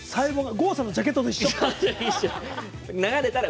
郷さんのジャケットと一緒。